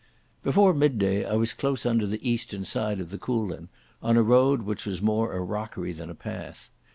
Before midday I was close under the eastern side of the Coolin, on a road which was more a rockery than a path.